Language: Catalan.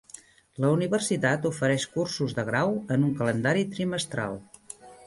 La universitat ofereix cursos de grau en un calendari trimestral.